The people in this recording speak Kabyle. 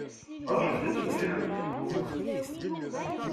Ṛuḥemt ad tmellḥemt!